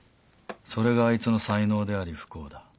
それがあいつの才能であり不幸だ。